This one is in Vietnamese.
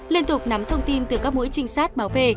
liên tục nắm thông tin từ các mũi trinh sát bảo vệ